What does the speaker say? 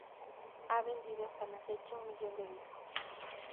Ha vendido hasta la fecha un millón de discos.